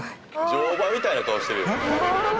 乗馬みたいな顔してるやん。